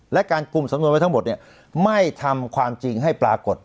และการกลุ่มสำนวนไว้ทั้งหมดเนี่ยไม่ทำความจริงให้ปรากฏ